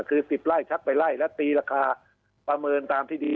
คือ๑๐ไร่ชักไปไล่แล้วตีราคาประเมินตามที่ดี